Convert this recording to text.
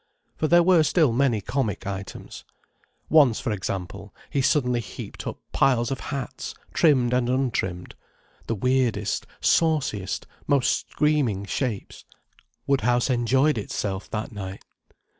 For there were still many comic items. Once, for example, he suddenly heaped up piles of hats, trimmed and untrimmed, the weirdest, sauciest, most screaming shapes. Woodhouse enjoyed itself that night.